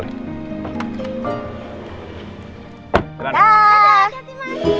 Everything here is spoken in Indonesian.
ya pakai ya thank you